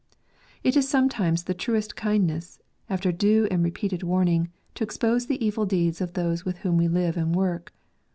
It is sometimes the truest kindness, after due and repeated warning, to expose the evil deeds of those with whom we live and work.